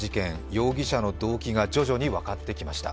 容疑者の動機が徐々に分かってきました。